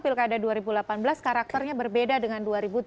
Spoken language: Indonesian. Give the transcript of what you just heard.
pilkada dua ribu delapan belas karakternya berbeda dengan dua ribu tujuh belas